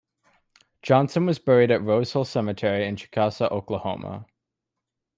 Johnson was buried at Rose Hill Cemetery in Chickasha, Oklahoma.